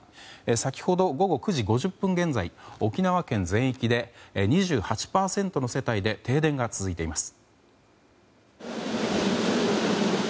先ほど午後９時５０分ごろ沖縄県全域で２８％の世帯で停電が続いています。